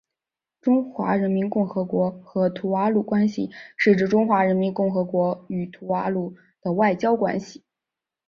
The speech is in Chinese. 中华人民共和国与图瓦卢关系是指中华人民共和国与图瓦卢的外交关系。